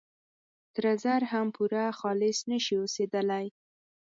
سره زر هم پوره خالص نه شي اوسېدلي.